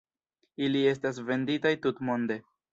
Ili estas venditaj tutmonde.